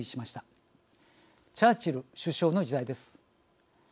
チャーチル首相の時代です。